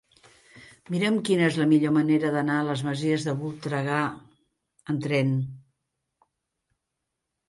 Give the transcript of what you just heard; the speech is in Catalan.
Mira'm quina és la millor manera d'anar a les Masies de Voltregà amb tren.